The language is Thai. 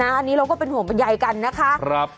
อันนี้เราก็เป็นโหมยกกันนะคะ